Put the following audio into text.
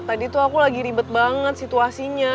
tadi tuh aku lagi ribet banget situasinya